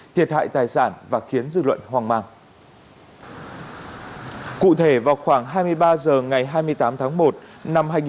thiệt hại tài sản và khiến dư luận hoang dã